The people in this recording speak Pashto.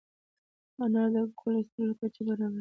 انار د کولیسټرول کچه برابروي.